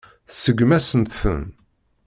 Tseggem-asent-ten.